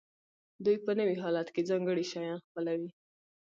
دوی په نوي حالت کې ځانګړي شیان خپلوي.